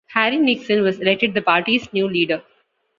Harry Nixon was elected the party's new leader.